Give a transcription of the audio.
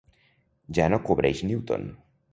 Ja no cobreix Newton.